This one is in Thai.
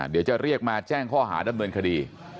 เดี๋ยวจะเรียกมาแจ้งข้อหาดำเนินคดี